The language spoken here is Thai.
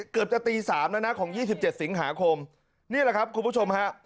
เกือบจะตี๓แล้วนะของ๒๗สิงหาคมนี่แหละครับคุณผู้ชมฮะ